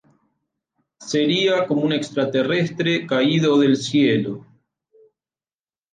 Sería como un extraterrestre caído del cielo.